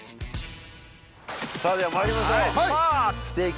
さあではまいりましょうはい出発！